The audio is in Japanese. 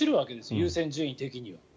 優先順位的には。